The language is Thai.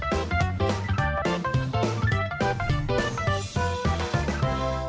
อย่างนี้ก็แปลกดีนะครับ